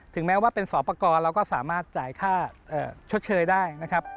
ถึงแม้ว่าเป็นสอปกรเราก็สามารถจ่ายค่าชดเชยได้